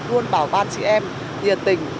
luôn bảo văn chị em nhiệt tình